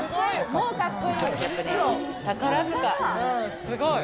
もうかっこいい。